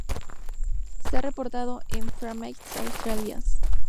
Se ha reportado en "Phragmites australis".